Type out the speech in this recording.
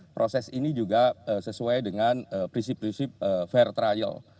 proses ini juga sesuai dengan prinsip prinsip fair trial